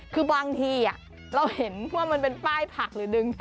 คือบางทีเราเห็นว่ามันเป็นป้ายผักหรือดึง